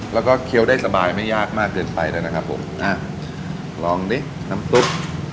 แล้วก็เคี้ยวได้สบายไม่ยากมากเกินไปแล้วนะครับผมอ่ะลองดิน้ำซุป